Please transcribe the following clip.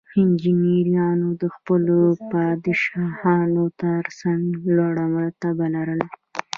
انجینرانو د خپلو پادشاهانو ترڅنګ لوړه مرتبه لرله.